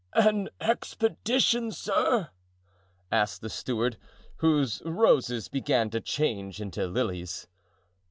"An expedition, sir?" asked the steward, whose roses began to change into lilies.